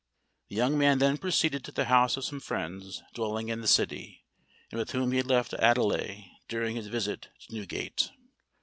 The young man then proceeded to the house of some friends dwelling in the City, and with whom he had left Adelais during his visit to Newgate.